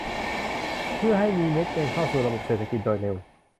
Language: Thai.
เพื่อให้มีเม็ดเงินเข้าสู่ระบบเศรษฐกิจโดยเร็ว